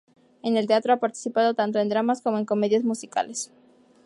En el teatro ha participado tanto en dramas como en comedias musicales.